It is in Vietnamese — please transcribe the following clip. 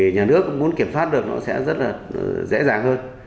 nhà nước cũng muốn kiểm soát được nó sẽ rất là dễ dàng hơn